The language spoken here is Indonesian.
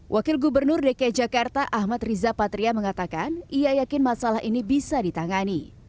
wakil gubernur dki jakarta ahmad riza patria mengatakan ia yakin masalah ini bisa ditangani